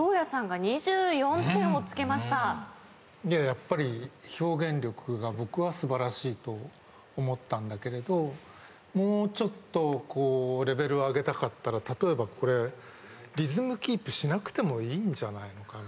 やっぱり表現力が僕は素晴らしいと思ったんだけれどもうちょっとレベルを上げたかったら例えばこれリズムキープしなくてもいいんじゃないのかな？